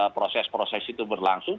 proses proses itu berlangsung